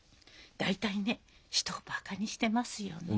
大体ね人をバカにしてますよね。